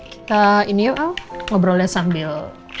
kita ini yuk ngobrolnya sambil